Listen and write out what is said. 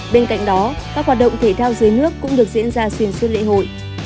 bên cạnh đó các hoạt động thể thao dưới nước cũng được diễn ra xuyên suốt lễ hội